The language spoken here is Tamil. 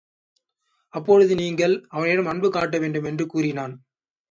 அப்பொழுது நீங்கள் அவனிடம் அன்பு காட்டவேண்டும் என்று கூறினான்.